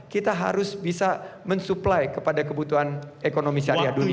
kita harus bisa mensuplai kepada kebutuhan ekonomi syariah dunia